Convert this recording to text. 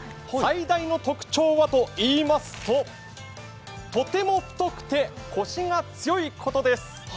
最大の特徴はといいますと、とても太くてコシが強いことです。